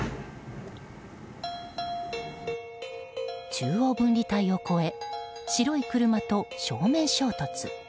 中央分離帯を越え白い車と正面衝突。